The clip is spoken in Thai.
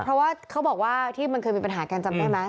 เพราะว่าเขาบอกว่าที่มันเคยมีปัญหากันจำได้ไหม